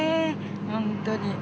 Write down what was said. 本当に。